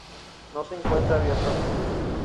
No se encuentra abierto al público.